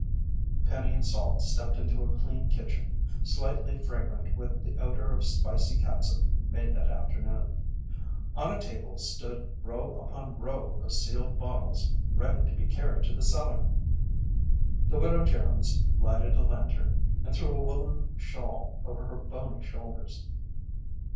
Penny and Salt stepped into a clean kitchen, slightly fragrant with the odor of spicy catsup made that afternoon. On a table stood row upon row of sealed bottles ready to be carried to the cellar. The Widow Jones lighted a lantern and threw a woolen shawl over her bony shoulders.